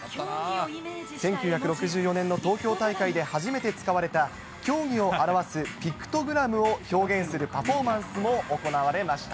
１９６４年の東京大会で初めて使われた、競技を表すピクトグラムを表現するパフォーマンスも行われました。